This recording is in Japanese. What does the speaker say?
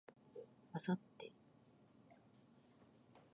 明後日